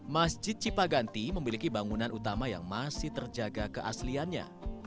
masjid cipaganti memiliki bangunan utama yang masih terjaga keasliannya